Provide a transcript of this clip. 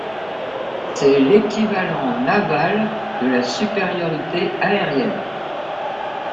C'est l'équivalent naval de la supériorité aérienne.